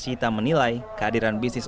pengamat ekonomi universitas pajajaran dian mbak